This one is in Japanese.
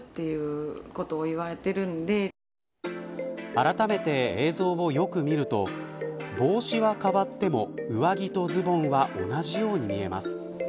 あらためて、映像をよく見ると帽子は変わっても上着とズボンは同じように見えます。